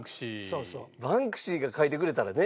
バンクシーが描いてくれたらね。